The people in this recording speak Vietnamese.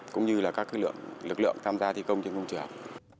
cũng như các lượng lực lượng tham gia thi công trên công trường